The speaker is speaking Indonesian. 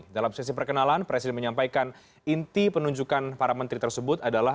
dalam sesi perkenalan presiden menyampaikan inti penunjukan para menteri tersebut adalah